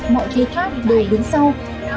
mọi thứ khác đều đứng sau